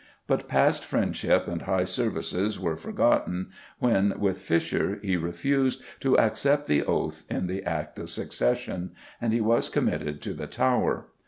But past friendship and high services were forgotten when, with Fisher, he refused to accept the Oath in the Act of Succession, and he was committed to the Tower.